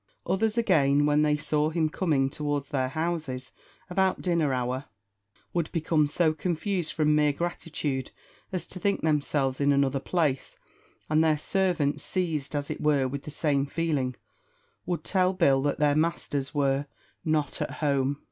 Others again, when they saw him coming towards their houses about dinner hour, would become so confused, from mere gratitude, as to think themselves in another place; and their servants, seized, as it were, with the same feeling, would tell Bill that their masters were "not at home."